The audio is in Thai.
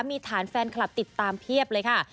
มีฐานแฟนคลับติดตามเพียบเลยค่ะ